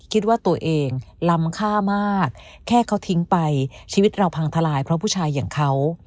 คิดว่าตัวเองล้ำค่ามากแค่เขาทิ้งไปชีวิตเราพังทลายเพราะผู้ชายอย่างเขา